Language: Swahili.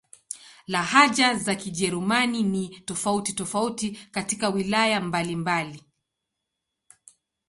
Lahaja za Kijerumani ni tofauti-tofauti katika wilaya mbalimbali.